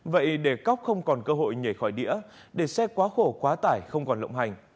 vậy để cóc không còn cơ hội nhảy khỏi đĩa để xe quá khổ quá tải không còn lộng hành